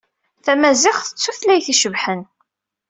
Tamaziɣt d tutlayt icebḥen.